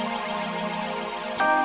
aku akan mengingatmu